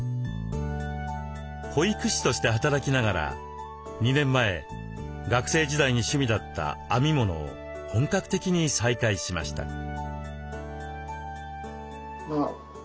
保育士として働きながら２年前学生時代に趣味だった編み物を本格的に再開しました。